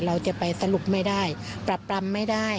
เราจะไปสรุปไม่ได้ปรับปรำไม่ได้